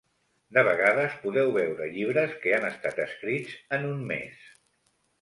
De vegades podeu veure llibres que han estat escrits en un mes.